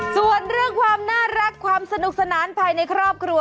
ส่วนเรื่องความน่ารักความสนุกสนานภายในครอบครัว